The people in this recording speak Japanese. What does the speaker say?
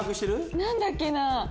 何だっけな？